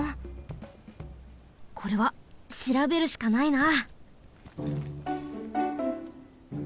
これはしらべるしかないな！